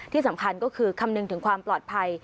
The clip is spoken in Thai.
ที่สำคัญก็คือคำนึงถึงความปลอดภัย